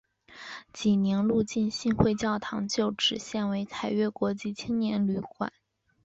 济宁路浸信会教堂旧址现为凯越国际青年旅馆。